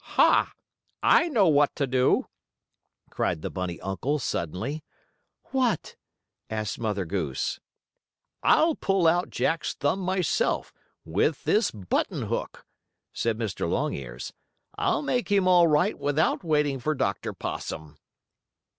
"Ha! I know what to do!" cried the bunny uncle, suddenly. "What?" asked Mother Goose. "I'll pull out Jack's thumb myself, with this button hook," said Mr. Longears. "I'll make him all right without waiting for Dr. Possum."